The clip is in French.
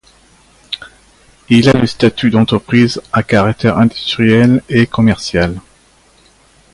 Il a le statut d'entreprise à caractère industriel et commercial.